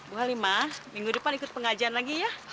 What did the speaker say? bu halimah minggu depan ikut pengajian lagi ya